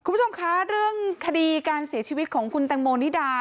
คุณผู้ชมคะเรื่องคดีการเสียชีวิตของคุณแตงโมนิดา